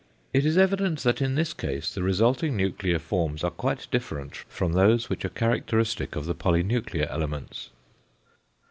3). It is evident that in this case the resulting nuclear forms are quite different from those which are characteristic of the polynuclear elements.